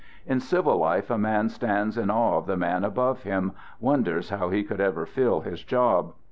In civil life a man stands in awe of the man above him, wonders how he could ever fill his job.